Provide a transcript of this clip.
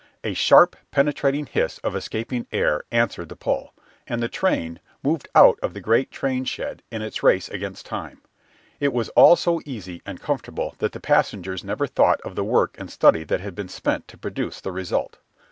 A sharp, penetrating hiss of escaping air answered the pull, and the train moved out of the great train shed in its race against time. It was all so easy and comfortable that the passengers never thought of the work and study that had been spent to produce the result.